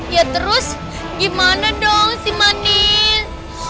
ya terus gimana dong si matin